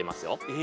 え？